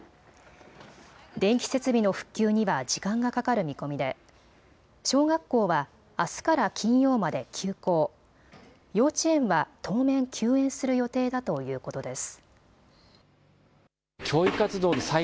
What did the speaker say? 電気設備の復旧には時間がかかる見込みで小学校はあすから金曜まで休校、幼稚園は当面、休園する予定だということです。